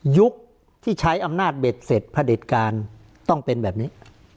ยุคที่ใช้อำนาจเบ็ดเสร็จพระเด็จการต้องเป็นแบบนี้